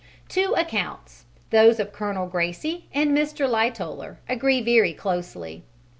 Two accounts those of Colonel Gracie and Mr. Lightoller agree very closely.